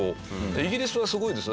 イギリスはすごいですよ。